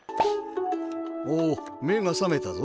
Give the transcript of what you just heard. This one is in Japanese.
おおめがさめたぞ。